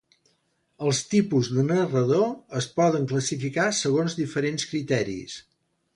Els tipus de narrador es poden classificar segons diferents criteris.